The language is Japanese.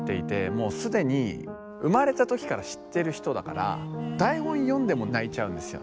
もう既に生まれた時から知ってる人だから台本読んでも泣いちゃうんですよ。